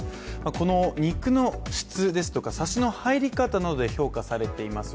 この肉の質ですとかさしの入り方などで評価されています